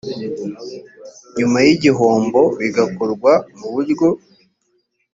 nyuma y igihombo bigakorwa mu buryo